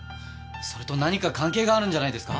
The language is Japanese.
それと何か関係があるんじゃないですか？